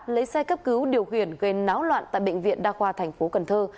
lấy xe cấp cứu điều khiển gây náo loạn tại bệnh viện đa khoa thành phố cần thơ